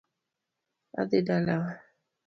Adhi dalawa